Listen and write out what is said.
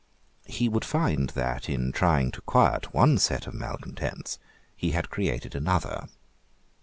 He would find that, in trying to quiet one set of malecontents, he had created another.